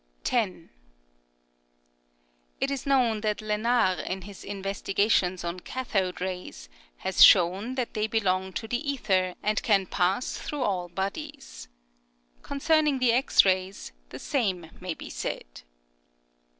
10. It is known that Lenard in his inves tigations on cathode rays has shown that they belong to the ether and can pass 230 SCIENCE. [N. S. Vol. III. No. 59. through all bodies. Concerning the X rays the same may be said.